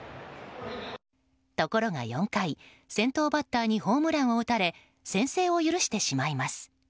ところが４回、先頭バッターにホームランを打たれ先制を許してしまいます。